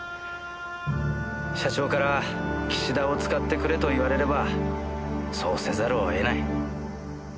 社長から岸田を使ってくれと言われればそうせざるをえない。